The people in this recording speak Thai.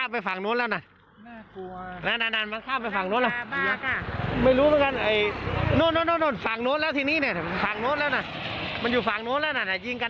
พวกมันเข้าไปอยู่ฝั่งบ้าน